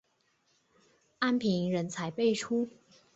安平人才辈出。